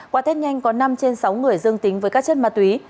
qua thết nhanh có năm trên sáu người dương tính với các chân ma túy